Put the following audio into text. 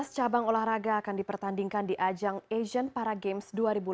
tiga belas cabang olahraga akan dipertandingkan di ajang asian para games dua ribu delapan belas